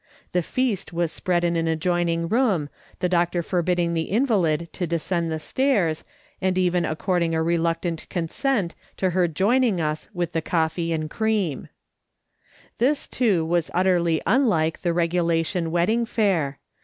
The feast was spread in an adjoining room, the doctor forbidding the invalid to descend the stairs, and even according a reluctant consent to her •joining us with the coffee and cream. LUMPS OF CLAY, 223 This, too, was utterly unlike the regulation wedding fare.